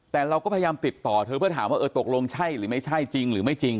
แต่เราก็พยายามติดต่อเธอเพื่อถามว่าเออตกลงใช่หรือไม่ใช่จริงหรือไม่จริง